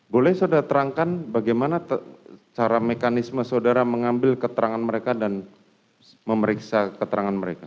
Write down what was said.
boleh saudara terangkan bagaimana cara mekanisme saudara mengambil keterangan mereka dan memeriksa keterangan mereka